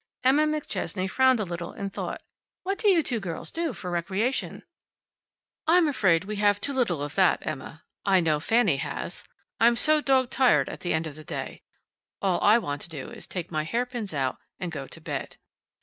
Emma McChesney frowned a little, in thought. "What do you two girls do for recreation?" "I'm afraid we have too little of that, Emma. I know Fanny has. I'm so dog tired at the end of the day. All I want is to take my hairpins out and go to bed."